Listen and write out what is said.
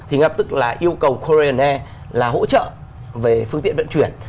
thì ngập tức là yêu cầu korean air là hỗ trợ về phương tiện vận chuyển